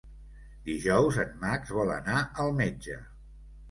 Dijous en Max vol anar al metge.